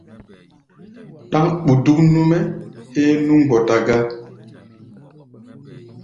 Ɗáŋ ɓuɗuk nú-mɛ́ héé nú mgbɔta gá.